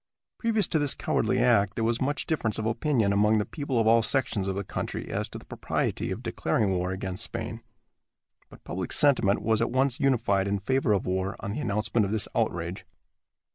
Previous to this cowardly act there was much difference of opinion among the people of all sections of the country as to the propriety of declaring war against Spain, but public sentiment was at once unified in favor of war on the announcement of this outrage.